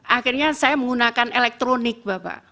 akhirnya saya menggunakan elektronik bapak